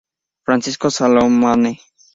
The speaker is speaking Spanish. Francisco Salamone.